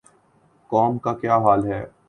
قوم کا کیا حال ہے۔